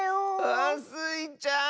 あスイちゃん。